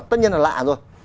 tất nhiên là lạ rồi